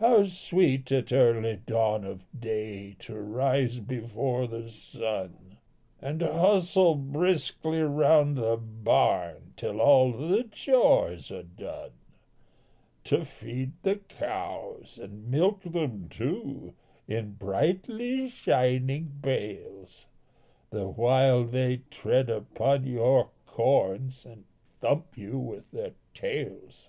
How sweet at early dawn of day To rise before the sun, And hustle briskly round the barn Till all the chores are done; To feed the cows, and milk them, too, In brightly shining pails, The while they tread upon your corns And thump you with their tails.